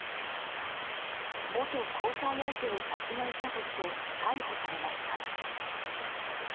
元交際相手を殺害したとして逮捕されました。